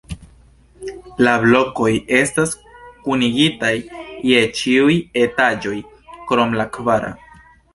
La blokoj estas kunigitaj je ĉiuj etaĝoj krom la kvara.